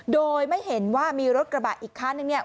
โดยไม่เห็นว่ามีรถกระบะอีกคันนึงเนี่ย